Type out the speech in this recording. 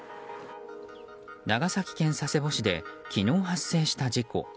長崎県佐世保市で昨日発生した事故。